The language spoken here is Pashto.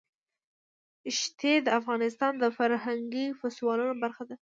ښتې د افغانستان د فرهنګي فستیوالونو برخه ده.